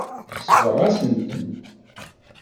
Tesbeɣ-asen-tent.